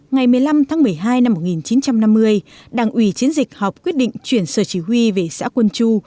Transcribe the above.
ngày một mươi năm tháng một mươi hai năm một nghìn chín trăm năm mươi đảng ủy chiến dịch họp quyết định chuyển sở chỉ huy về xã quân chu